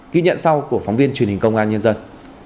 ghi nhận sau của phóng viên truyền hình công an nhân dân